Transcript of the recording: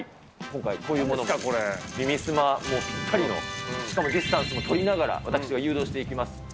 今回、こういうものが、耳すまにぴったりの、しかもディスタンスも取りながら、私が誘導していきます。